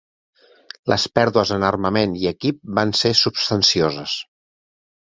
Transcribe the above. Les pèrdues en armament i equip van ser substancioses.